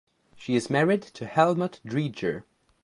She is married to Helmut Driedger.